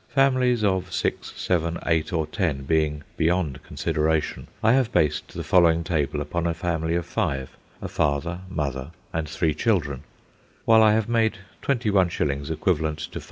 Families of six, seven, eight or ten being beyond consideration, I have based the following table upon a family of five—a father, mother, and three children; while I have made twenty one shillings equivalent to $5.